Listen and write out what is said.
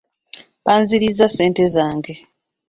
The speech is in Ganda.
Banzirizza ssente zange.